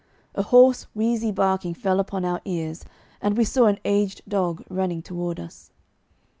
A hoarse, wheezy barking fell upon our ears, and we saw an aged dog running toward us.